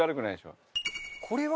これは？